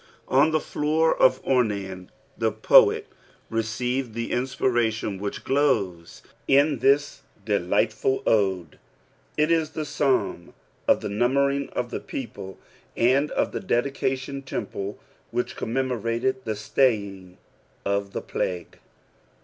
On Ote floor of Ornan, Ihe poet receiiwJ ihe inaptration which glores in this ddight fut ode. Riathe Fsnim of Ihe nutria ing qf the people, and of the dedioo&on temple which cotamemorvird the staying of the plague.